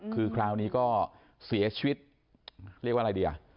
คือคราวนี้ก็เสียชีวิตเรียกว่าอะไรดีอ่ะ